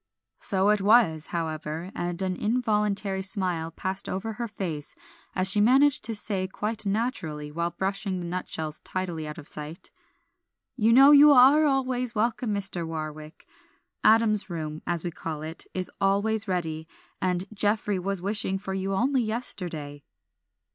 So it was, however, and an involuntary smile passed over her face as she managed to say quite naturally, while brushing the nutshells tidily out of sight "You know you are always welcome, Mr. Warwick. 'Adam's Room,' as we call it, is always ready, and Geoffrey was wishing for you only yesterday."